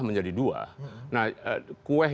menjadi dua nah kueh